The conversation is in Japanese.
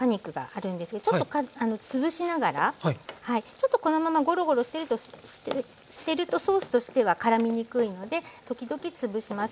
ちょっとこのままゴロゴロしてるとソースとしてはからみにくいので時々つぶします。